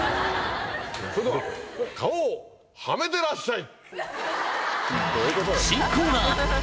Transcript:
それでは顔をハメてらっしゃい。